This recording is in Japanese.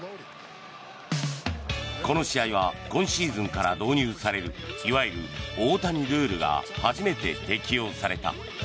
この試合は今シーズンから導入されるいわゆる大谷ルールが初めて適用された。